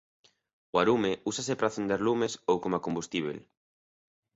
O arume úsase para acender lumes ou coma combustíbel.